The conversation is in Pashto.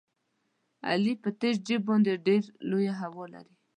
علي په تش جېب باندې ډېره لویه هوا لري.